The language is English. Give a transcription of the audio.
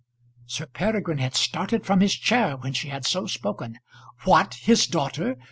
Sir Peregrine had started from his chair when she had so spoken. What! his daughter!